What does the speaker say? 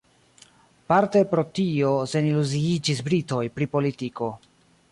Parte pro tio seniluziiĝis britoj pri politiko.